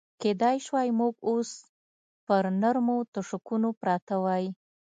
کېدای شوای موږ اوس پر نرمو تشکونو پراته وای.